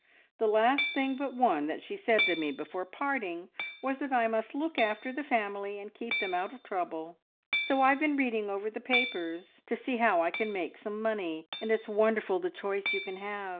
The last thing but one that she said to me before parting was that I must look after the family and keep them out of trouble; so I've been reading over the papers to see how I can make some money, and it's wonderful the choice you can have!